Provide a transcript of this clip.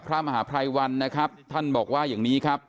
พระมหาภัยวันนะครับท่านบอกว่าอย่างนี้ครับ